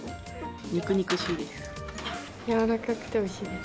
肉肉しいです。